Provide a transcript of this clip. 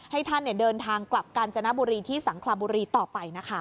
ให้ท่านเดินทางกลับกาญจนบุรีที่สังคลาบุรีต่อไปนะคะ